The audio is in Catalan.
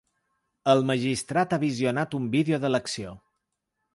El magistrat ha visionat un vídeo de l’acció.